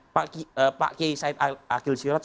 pak kiai said akhil sirot